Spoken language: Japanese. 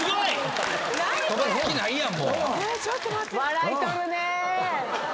笑い取るね。